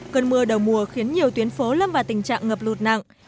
cơn mưa đầu mùa khiến nhiều tuyến phố lâm vào tình trạng ngập lụt nặng